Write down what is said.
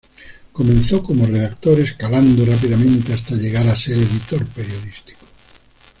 Comenzó como redactor, escalando rápidamente hasta llegar a ser editor periodístico.